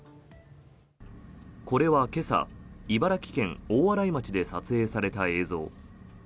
これは今朝茨城県大洗町で撮影された映像。